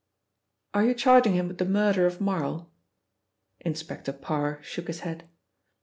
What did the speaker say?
"Are you charging him with the murder of Marl?" Inspector Parr shook his head.